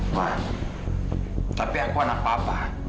maaf tapi aku anak papa